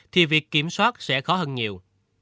thì việc kiểm soát sẽ khó hơn nhiều